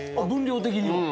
分量的に？